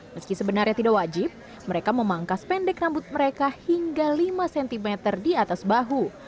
meski sebenarnya tidak wajib mereka memangkas pendek rambut mereka hingga lima cm di atas bahu